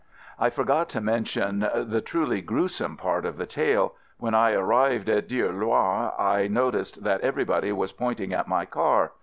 I forgot to mention the truly gruesome part of the tale — when I arrived at Dieulouard, I noticed that everybody was pointing at my car.